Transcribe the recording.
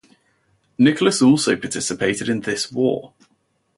Nicholas also participated in this war.